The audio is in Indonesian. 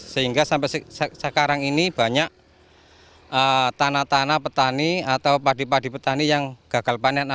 sehingga sampai sekarang ini banyak tanah tanah petani atau padi padi petani yang gagal panen